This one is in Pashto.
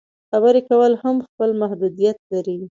خبرې کول هم خپل محدودیت لري.